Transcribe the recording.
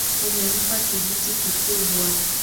Umempa kijti kikubwa